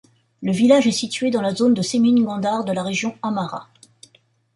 Le village est situé dans la zone de Semien Gondar de la région Amhara.